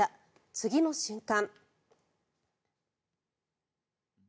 次の瞬間。